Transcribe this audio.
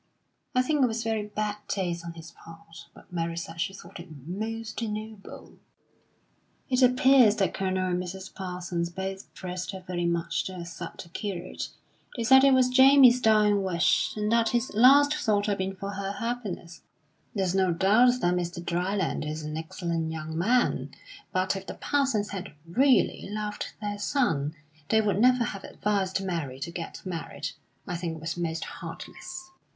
I think it was very bad taste on his part, but Mary said she thought it most noble. "It appears that Colonel and Mrs. Parsons both pressed her very much to accept the curate. They said it was Jamie's dying wish, and that his last thought had been for her happiness. There is no doubt that Mr. Dryland is an excellent young man, but if the Parsons had really loved their son, they would never have advised Mary to get married. I think it was most heartless.